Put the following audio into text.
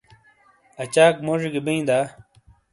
اچاک موڇی گی بین دا؟